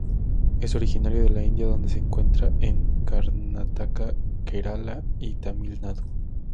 Es originaria de la India donde se encuentra en Karnataka, Kerala y Tamil Nadu.